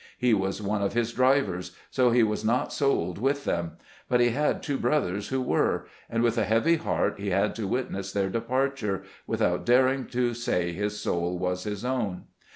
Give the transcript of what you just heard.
He was one of his drivers, so he was not sold with them ; but he had two brothers who were, and with a heavy heart he had to witness their departure, without daring to say his soul was his own.